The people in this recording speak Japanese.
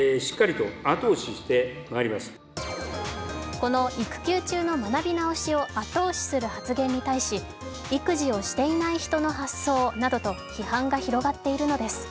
この育休中の学び直しを後押しする発言に対し、育児をしていな人の発想などと批判が広がっているのです。